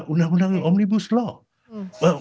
untuk menggunakan peraturan umnibus